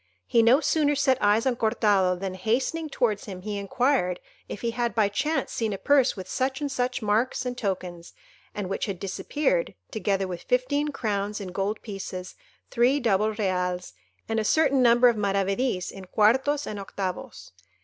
He no sooner set eyes on Cortado, than, hastening towards him, he inquired if he had by chance seen a purse with such and such marks and tokens, and which had disappeared, together with fifteen crowns in gold pieces, three double reals, and a certain number of maravedis in quartos and octavos.